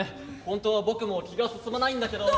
本当は僕も気が進まないんだけど」。